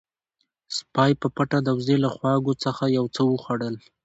سپی په پټه د وزې له خواږو څخه یو څه وخوړل.